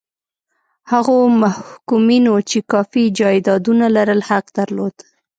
هغو محکومینو چې کافي جایدادونه لرل حق درلود.